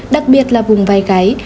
đặc biệt là vùng vai gáy